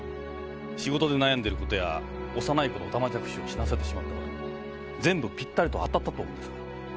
仕事で悩んでることや幼いころオタマジャクシを死なせてしまったこと全部ピッタリと当たったと思うんですが。